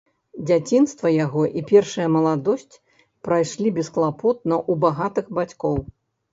Дзяцінства яго і першая маладосць прайшлі бесклапотна ў багатых бацькоў.